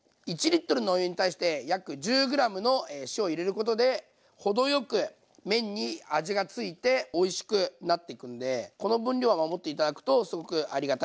１のお湯に対して約１０ｇの塩を入れることで程よく麺に味がついておいしくなっていくんでこの分量を守って頂くとすごくありがたいかなと思います。